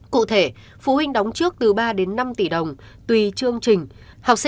cụ thể phụ huynh đóng trước từ ba đến năm tỷ đồng tùy chương trình học